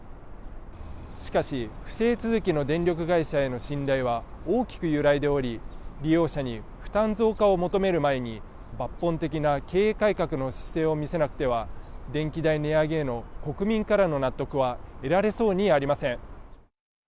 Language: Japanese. しかし、不正続きの電力会社への信頼は大きく揺らいでおり、利用者に負担増加を求める前に、抜本的な経営改革の姿勢を見せなくては、電気代値上げへの国民からの納得は得られそうにありません。